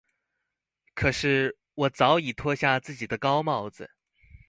可是我早已脫下自己的高帽子